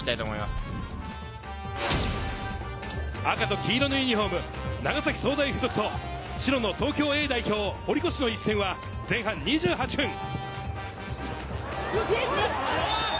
赤と黄色のユニホーム、長崎総大附属と白の東京Ａ代表・堀越の一戦は前半２８分。